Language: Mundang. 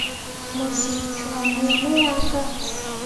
Mu zi cwah nii me ya ka.